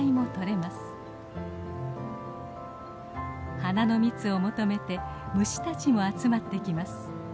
花の蜜を求めて虫たちも集まってきます。